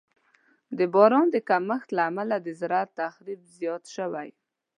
د باران د کمښت له امله د زراعت تخریب زیات شوی.